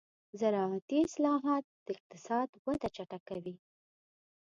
زراعتي اصلاحات د اقتصاد وده چټکوي.